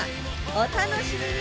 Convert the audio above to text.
お楽しみに！